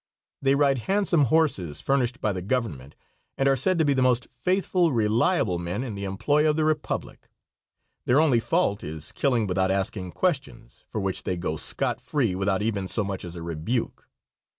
They ride handsome horses, furnished by the government, and are said to be the most faithful, reliable men in the employ of the Republic. Their only fault is killing without asking questions, for which they go scot free without even so much as a rebuke.